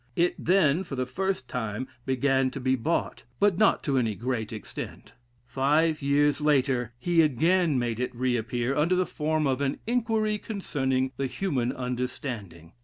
It then, for the first time, began to be bought; but not to any great extent. Five years later, he again made it re appear, under the form of an "Inquiry Concerning the Human Understanding."